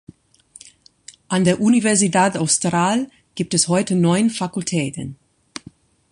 An der Universidad Austral gibt es heute neun Fakultäten.